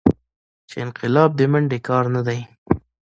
چې انقلاب دې منډې کار نه دى.